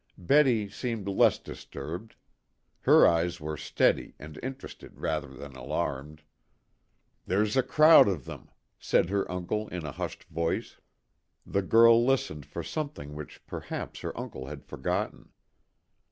Betty seemed less disturbed. Her eyes were steady and interested rather than alarmed. "There's a crowd of them," said her uncle in a hushed voice. The girl listened for something which perhaps her uncle had forgotten.